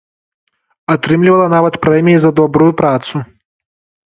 Атрымлівала нават прэміі за добрую працу.